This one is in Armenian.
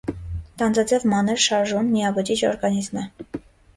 Տանձաձև մանր, շարժուն, միաբջիջ օրգանիզմ է։